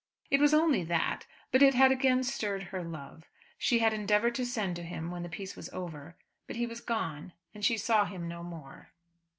It was only that, but it had again stirred her love. She had endeavoured to send to him when the piece was over; but he was gone, and she saw him no more.